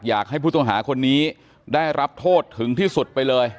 อยากให้ผู้ต้องหาคนนี้ได้รับโทษถึงที่สุดไปเลย